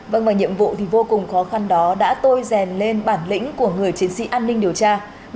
vâng và nhiệm vụ thì vô cùng khó khăn đó đã tôi rèn lên bản lĩnh của người chiến sĩ an ninh điều tra